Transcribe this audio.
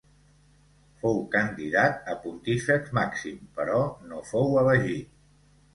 Fou candidat a Pontífex Màxim, però no fou elegit.